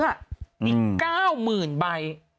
อีก๙หมื่นใบ